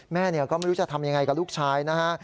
แม่ก็ไม่รู้จะทำยังไงกับลูกชายนะฮะ